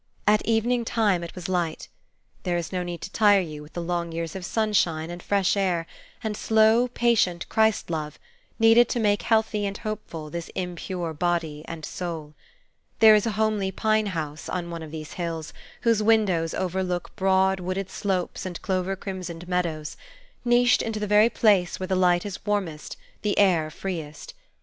At evening time it was light. There is no need to tire you with the long years of sunshine, and fresh air, and slow, patient Christ love, needed to make healthy and hopeful this impure body and soul. There is a homely pine house, on one of these hills, whose windows overlook broad, wooded slopes and clover crimsoned meadows, niched into the very place where the light is warmest, the air freest.